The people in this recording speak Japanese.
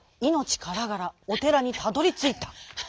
からがらおてらにたどりついた。